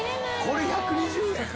これ１２０円！？